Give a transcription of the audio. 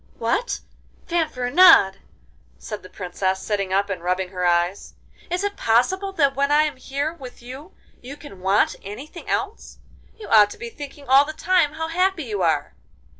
'What! Fanfaronade,' said the Princess, sitting up and rubbing her eyes, 'is it possible that when I am here with you you can want anything else? You ought to be thinking all the time how happy you are.